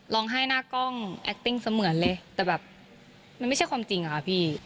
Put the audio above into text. ร้องไห้หน้ากล้องแอคติ้งเสมือนเลยแต่แบบมันไม่ใช่ความจริงอะค่ะพี่